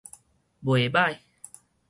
袂䆀